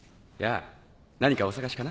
ぁ何かお探しかな？